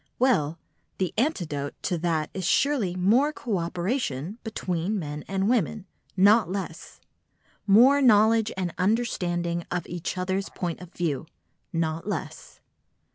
Well, the antidote to that is surely more co operation between men and women, not less; more knowledge and understanding of each other's point of view, not less.